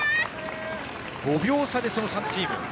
５秒差でその３チーム。